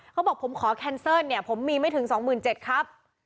เขาบอกผมขอแคนเซิลเนี่ยผมมีไม่ถึง๒๗๐๐ครับ